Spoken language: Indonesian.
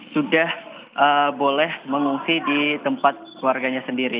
sudah boleh mengungsi di tempat warganya sendiri